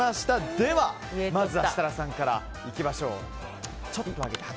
では、まずは設楽さんからいきましょう。